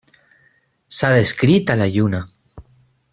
S'ha descrit a la Lluna.